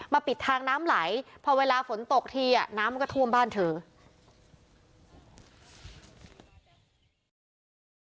มาปิดทางน้ำไหลพอเวลาฝนตกเทียน้ำก็ท่วมบ้านเถอะ